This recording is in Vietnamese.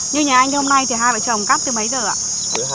như nhà anh hôm nay thì hai vợ chồng cắt từ mấy giờ ạ